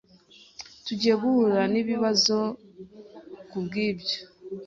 Tugiye guhura nibibazo kubwibyo.